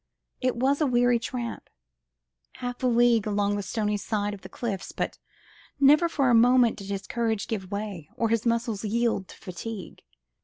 It was a weary tramp, half a league along the stony side of the cliffs, but never for a moment did his courage give way or his muscles yield to fatigue.